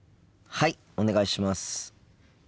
はいお願いします。